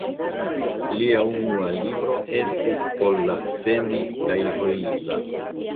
Lia unua libro estis "Ollakseni kaihoisa".